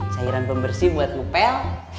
sairan pembersih buat ngupel